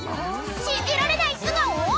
［信じられない素顔⁉］